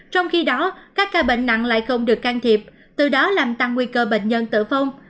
trong khi đó các ca bệnh nặng lại không được can thiệp từ đó làm tăng nguy cơ bệnh nhân tử vong